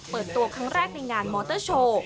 เปิดตัวครั้งแรกในงานมอเตอร์โชว์